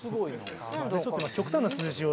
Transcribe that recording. ちょっと極端な数字を。